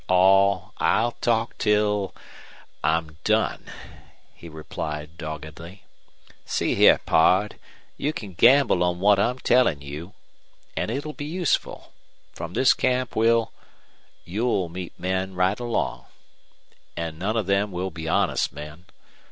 "Aw, I'll talk till I'm done," he replied, doggedly. "See here, pard, you can gamble on what I'm tellin' you. An' it'll be useful. From this camp we'll you'll meet men right along. An' none of them will be honest men.